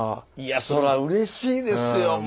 いやそらうれしいですよ